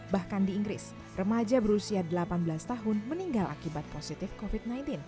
bahkan di inggris remaja berusia delapan belas tahun meninggal akibat positif covid sembilan belas